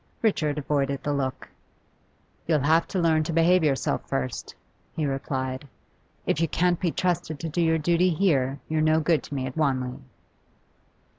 Richard avoided the look. 'You'll have to learn to behave yourself first,' he replied. 'If you can't be trusted to do your duty here, you're no good to me at Wanley.